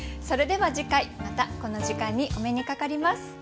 それでは次回またこの時間にお目にかかります。